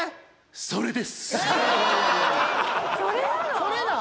それなん！？